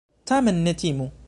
Tamen ne timu!